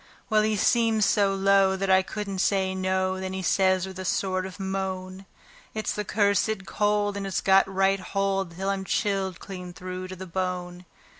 Well, he seemed so low that I couldn't say no; then he says with a sort of moan: "It's the cursed cold, and it's got right hold till I'm chilled clean through to the bone.